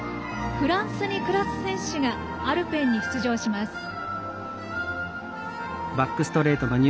フランスに暮らす選手がアルペンに出場します。